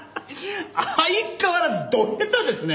相変わらずドヘタですね。